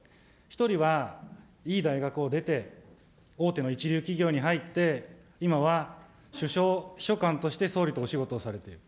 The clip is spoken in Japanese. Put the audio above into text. １人はいい大学を出て、大手の一流企業に入って、今は首相秘書官として総理とお仕事をされている。